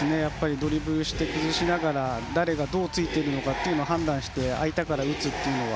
ドリブルして崩しながら誰がどうついているのかを判断して空いたから打つというのは。